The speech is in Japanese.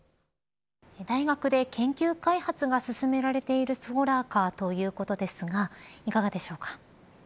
大学で研究開発が進められているソーラーカーということですがいかがでしょうか。